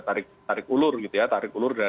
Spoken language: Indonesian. tarik ulur tarik ulur